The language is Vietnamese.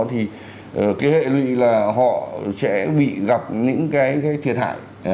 thì cái hệ lụy là họ sẽ bị gặp những cái thiệt hại